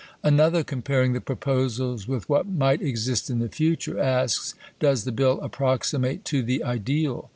Another, comparing the proposals with what might exist in the future, asks, Does the Bill approximate to the ideal?